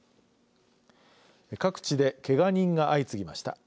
各地で、けが人が相次ぎました。